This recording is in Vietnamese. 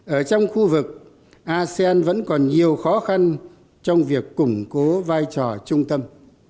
ở trong khu vực asean vẫn còn nhiều khó khăn trong việc củng cố vai trò trung tâm